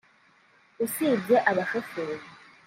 usibye abashoferi